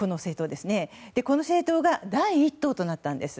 この政党が第１党となったんです。